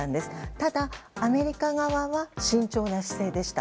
ただ、アメリカ側は慎重な姿勢でした。